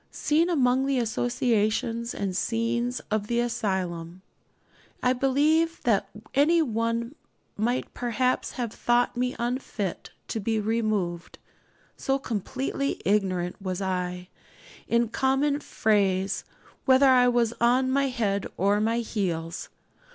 Seen among the associations and scenes of the asylum, I believe that any one might perhaps have thought me unfit to be removed, so completely ignorant was I, in common phrase, whether I was on my head or my heels.